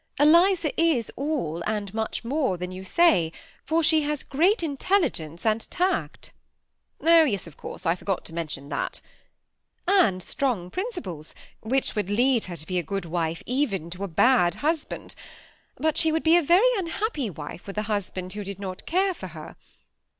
Eliza is all, and much more than you say, for she has great intelligence and tact." ^' Oh yes, of course, I forgot to mention that." ^ And strong principles, which would lead her to be a good wife, even to a bad husband ; but she would be a very unhappy wife with a husband who did not care for her.